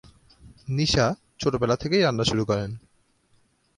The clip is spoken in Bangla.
নিশা ছোটবেলা থেকেই রান্না শুরু করেন।